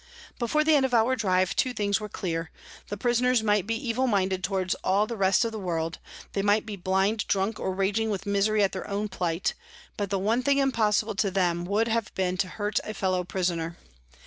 Before the end of our drive two things were clear the prisoners might be evil minded towards all the rest of the world, they might be blind drunk or raging with misery at their own plight, but the one thing impossible to them would have been to hurt a fellow prisoner.